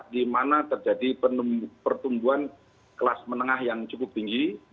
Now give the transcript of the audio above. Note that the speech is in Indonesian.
di mana terjadi pertumbuhan kelas menengah yang cukup tinggi